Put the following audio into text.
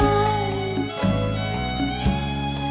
ไม่ใช้ค่ะ